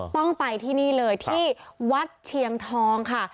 ต้องไปที่นี่เลยที่วัดเชียงทองค่ะ